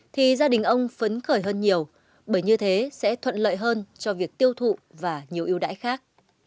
thì gia đình ông phấn khởi hơn nhiều bởi như thế sẽ thuận lợi hơn cho việc tiêu thụ và nhiều ưu đãi khác